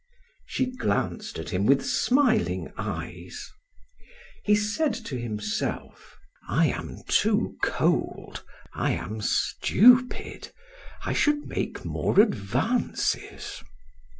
She glanced at him with smiling eyes. He said to himself: "I am too cold. I am stupid. I should make more advances."